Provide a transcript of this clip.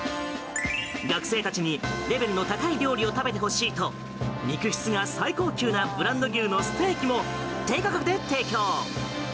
学生たちに、レベルの高い料理を食べてほしいと肉質が最高級なブランド牛のステーキも低価格で提供。